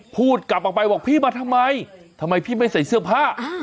พูดกลับออกไปบอกพี่มาทำไมทำไมพี่ไม่ใส่เสื้อผ้า